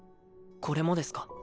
これもですか？